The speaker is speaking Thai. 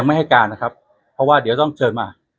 เราจะมีการออกประกาศให้กับนักท่องเที่ยวไหมครับ